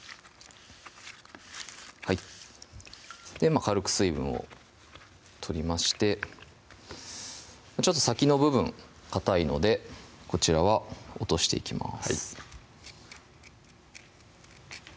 はい軽く水分を取りまして先の部分かたいのでこちらは落としていきます